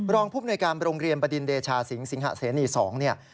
รองผู้บริการโรงเรียนประดินเดชาสิงศ์สิงหะเสนี๒